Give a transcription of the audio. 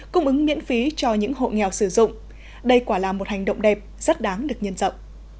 cung ứng miễn phí cho những hộ nghèo sử dụng đây quả là một hành động đẹp rất đáng được nhân rộng